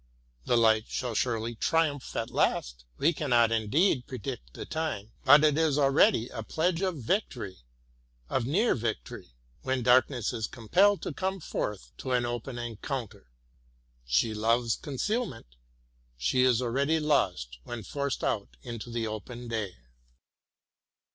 The light shall surely triumph at last ;— we cannot indeed predict the time, — but it is already a pledge of victory, of near victory, when darkness is compelled to come forth to an open encounter. She loves concealment, — she is al ready lost when forced out into the open day.